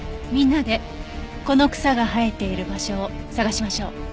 みんなでこの草が生えている場所を探しましょう。